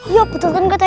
iya betul kan kak